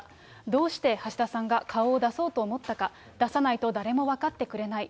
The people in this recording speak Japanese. どうして橋田さんが顔を出そうと思ったか、出さないと誰も分かってくれない。